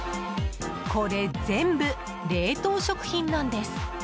これ全部、冷凍食品なんです。